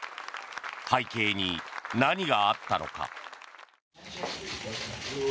背景に何があったのか。